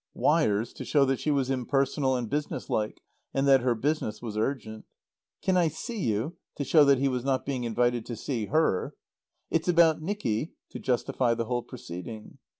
Wires to show that she was impersonal and businesslike, and that her business was urgent. "Can I see you?" to show that he was not being invited to see her. "It's about Nicky" to justify the whole proceeding.